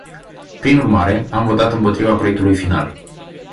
Prin urmare, am votat împotriva proiectului final.